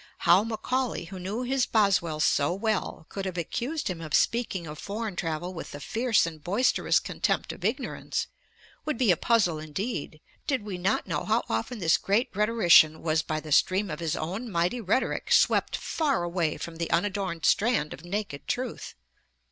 How Macaulay, who knew his Boswell so well, could have accused him of 'speaking of foreign travel with the fierce and boisterous contempt of ignorance' would be a puzzle indeed, did we not know how often this great rhetorician was by the stream of his own mighty rhetoric swept far away from the unadorned strand of naked truth.